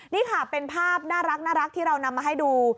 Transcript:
นี่ค่ะเป็นภาพน่ารักที่เรานำมาให้ดู